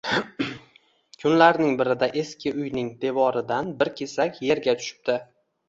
Kunlarning birida eski uyning devoridan bir kesak yerga tushibdi